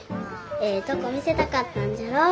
ええとこ見せたかったんじゃろ。